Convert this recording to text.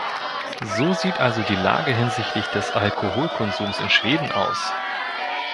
So sieht also die Lage hinsichtlich des Alkoholkonsums in Schweden aus!